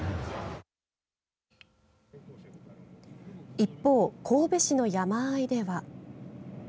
一方、神戸市の山あいでは。